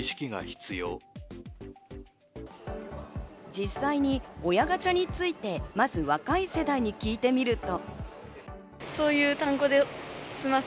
実際に親ガチャについてまず若い世代に聞いてみると。